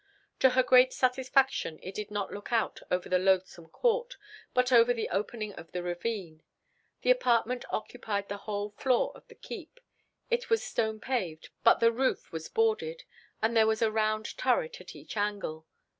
To her great satisfaction it did not look out over the loathsome court, but over the opening of the ravine. The apartment occupied the whole floor of the keep; it was stone paved, but the roof was boarded, and there was a round turret at each angle.